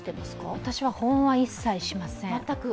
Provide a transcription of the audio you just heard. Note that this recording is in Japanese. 私は保温は一切しません。